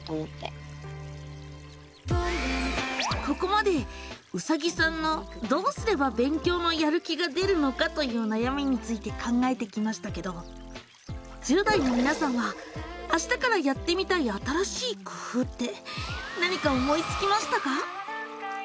ここまでうさぎさんの「どうすれば勉強のやる気が出るのか」という悩みについて考えてきましたけど１０代のみなさんは「あしたからやってみたい新しい工夫」って何か思いつきましたか？